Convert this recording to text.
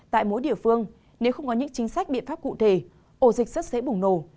tại mỗi địa phương nếu không có những chính sách biện pháp cụ thể ổ dịch rất dễ bùng nổ